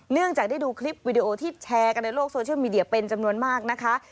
เนื่องจากได้ดูคลิปวิดีโอที่แชร์กันในโลกโซเชียลมีเดียเป็นจำนวนมากนะคะ